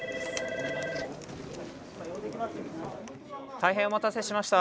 ☎大変お待たせしました。